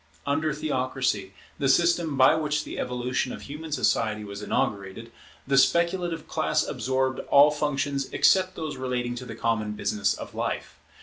Under theocracy, the system by which the evolution of human society was inaugurated, the speculative class absorbed all functions except those relating to the common business of life.